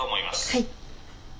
はい。